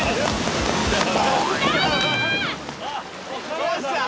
どうした？